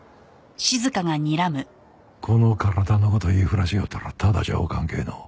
この体の事言いふらしよったらただじゃおかんけえのう。